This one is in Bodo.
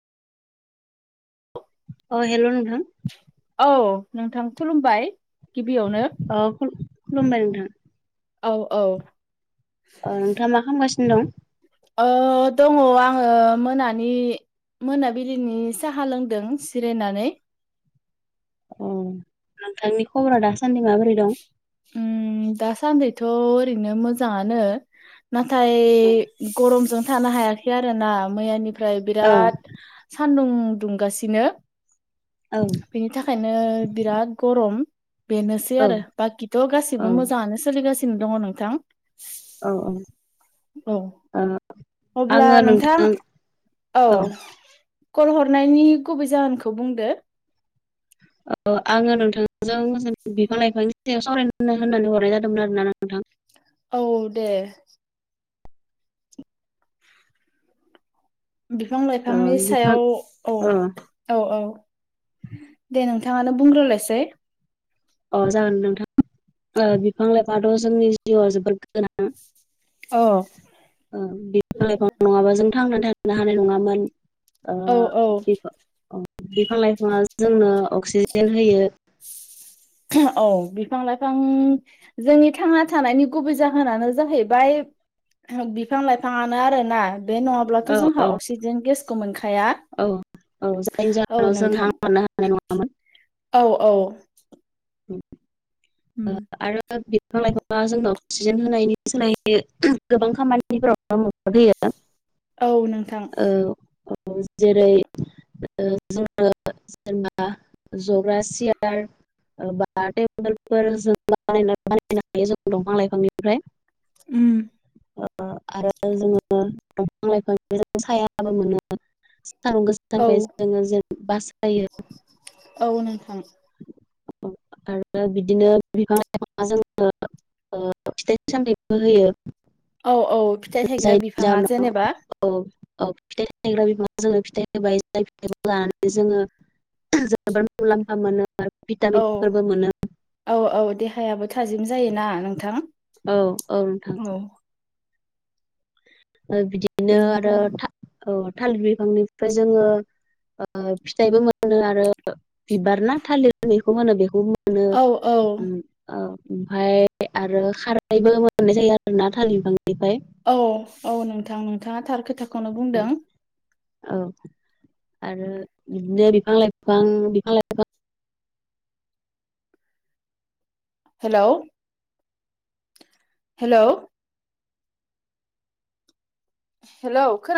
अ हेल' नोंथां? औ नोंथां खुलुमबाय गिबियावनो। ओ खुलु खुलुमबाय नोंथां। औ औ। औ नोंथाङा मा खालामगासिनो दं? ओ दङ आंङो मोनानि मोनाबिलिनि साहा लोंदों सिरायनानै। अ नोंथांनि खबरा दासान्दै माबोरै दं? दासान्दिैथ' ओरैनो मोजाङानो नाथाय औ गरमजों थानो हायाखै आरो ना मैयानिफ्राय औ बिराद सानदुं दुंगासिनो औ बिनि थाखायनो बिराद गरम बेनोसै आरो बाखिथ' औ गासिबो मोजाङानो सोलिगासिनो दङ नोंथां औ औ औ अब्ला नोंथां औ कल हरनायनि गुबै जाहोनखौ बुंदो औ आङो नोंथांजों बिफां लाइफांनि सायाव सावराय होननानै हरनाय जादोंमोन आरो ना नोंथां औ दे बिफां ओ लाइफांनि बिफां सायाव औ ओ औ औ दे नोंथाङानो बुंग्रोलायसै अ जागोन नोंथां बिफां लाइफाथ' जोंनि जिउआ जोबोद गोनां औ बिइफां नङाबा जों थांना थानो हानाय नङामोन औ औ बेफोर औ बिफां लाइफाङा जोंनो अक्सिजेन होयो औ बिफां लाइफां जोंनि थांना थानायनि गुबै जाहोनानो जाहैबाय बिफां लाइफाङानो आरो ना बे नड़ाबा औ अब्लाथ' औ जोंहा अक्सिजेन गेसखौ मोनखाया औ औ जायनि औ जाहोनाव जों नोंथां हां हरनो हानाय नङामोन औ औ उम आरो द बिफां लाइफांा जोंनो अक्सिजेन होनायनि सोलाय गोबां खामानिफोराव द होयो औ नोंथां औ जेरै जोङो जेनेबा जग्रा सियार [unintelligible] उम आरो जोङो दंफां लाइफां सायाबो मोनो सानुं गोसो औ थांबाय जोङो जेन बास जायो औ नोंथां आरो बिदिनो बिफां लाइफाङा जोंनो फिथाइामथाइबो होयो औ औ फिथाइ थायग्रा बिफाङा जेनेबा औ औ फिथाइ सायग्रा बिब जोंनो फिथाइ होबाय जायिथखौ लानानै जोङो जोबोर मुलाम्फा मोनो औ भिटामिनफोरबो मोनो औ औ देहायाबो थाजिम जायोना नोंथां औ औ नोंथां औ बिदिनो आरो बेनिफ्राय थालिर बिफांनिफ्राय जोङो फिथाइबो मोनो आरो बिबार ना थालिर बेखौ मोनो बेखौ मोननो औ औ औ ओमफाय आरो खारैबो मोननाय जायो आरो ना थालिर बिफांनिफ्राय औ औ नोंथां नोंथाङा थार खोथाखौनो बुंदों औ आरो बिदिनो बिफां लाइफां बिफां लाइ हेल' हेल' हेल' ख